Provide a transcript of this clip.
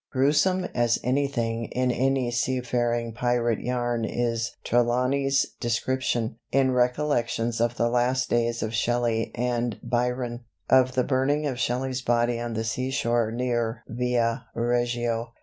Gruesome as anything in any seafaring pirate yarn is Trelawny's description (in "Recollections of the Last Days of Shelley and Byron") of the burning of Shelley's body on the seashore near Via Reggio.